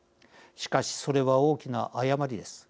しかし、それは大きな誤りです。